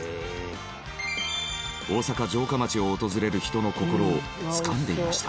大阪城下町を訪れる人の心をつかんでいました。